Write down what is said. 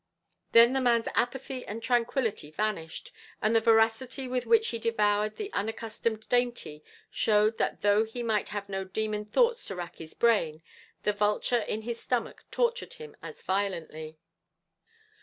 Then the man's apathy and tranquillity vanished, and the voracity with which he devoured the unaccustomed dainty showed that though he might have no demon thoughts to rack his brain, the vulture in his stomach tortured him as violently.